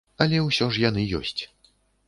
Але ўсё ж яны ёсць.